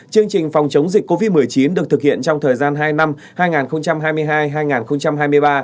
chương trình phòng chống dịch covid một mươi chín được thực hiện trong thời gian hai năm hai nghìn hai mươi hai hai nghìn hai mươi ba